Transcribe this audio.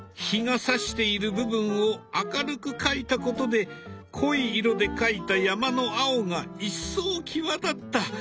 日がさしている部分を明るく描いたことで濃い色で描いた山の青が一層際立った。